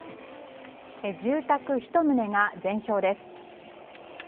住宅１棟が全焼です。